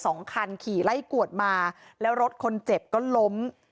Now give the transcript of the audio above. สองคันขี่ไล่กวดมาแล้วรถคนเจ็บก็ล้ม